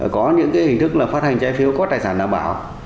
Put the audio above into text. có những hình thức là phát hành trái phiếu có tài sản đảm bảo